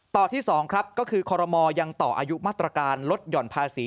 ต่อที่๒ครับก็คือคอรมอลยังต่ออายุมาตรการลดห่อนภาษี